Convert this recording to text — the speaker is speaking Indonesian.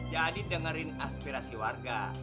jadi dengerin aspirasi warga